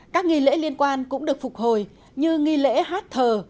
các nghi lễ liên quan cũng được phục hồi như nghi lễ hát thờ